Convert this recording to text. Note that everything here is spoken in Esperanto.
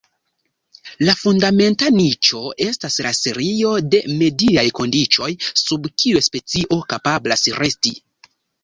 La fundamenta niĉo estas la serio de mediaj kondiĉoj sub kiuj specio kapablas resti.